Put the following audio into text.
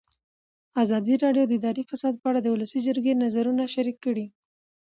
ازادي راډیو د اداري فساد په اړه د ولسي جرګې نظرونه شریک کړي.